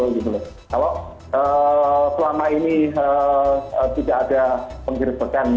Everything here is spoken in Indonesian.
kalau selama ini tidak ada penggerbekan